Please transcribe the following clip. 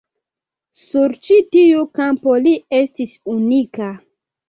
Sur ĉi tiu kampo li estis unika.